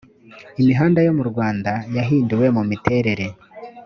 imihanda yo mu rwanda yahinduwe mu miterere